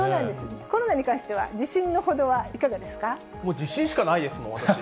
コロナに関しては、もう自信しかないですもん、私。